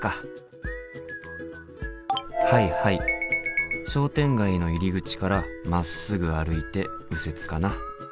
はいはい商店街の入り口からまっすぐ歩いて右折かな。